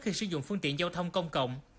khi sử dụng phương tiện giao thông công cộng